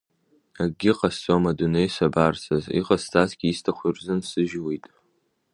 Акгьы ҟасҵом адунеи сабарцаз, иҟасҵазгьы изҭаху ирзынсыжьуеит.